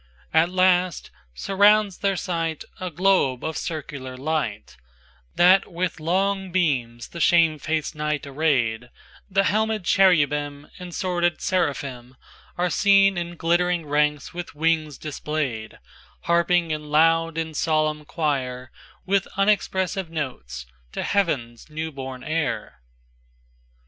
XIAt last surrounds their sightA globe of circular light, That with long beams the shamefaced Night arrayed; The helmèd CherubimAnd sworded SeraphimAre seen in glittering ranks with wings displayed, Harping in loud and solemn quire, With unexpressive notes, to Heaven's newborn Heir.